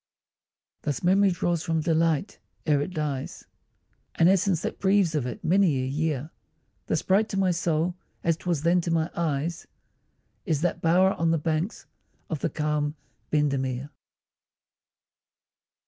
Thus memory draws from delight, ere it dies, An essence that breathes of it many a year; Thus bright to my soul, as 'twas then to my eyes, Is that bower on the banks of the calm Bendemeer!